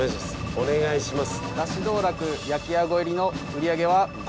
お願いします。